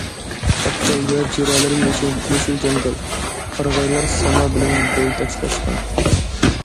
قاپتال ۋە جىرالىرى يېشىل جاڭگال، قارىغايلار ساما بىلەن بوي تالاشقان.